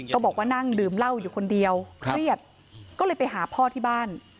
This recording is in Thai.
บอกว่านั่งดื่มเหล้าอยู่คนเดียวเครียดก็เลยไปหาพ่อที่บ้าน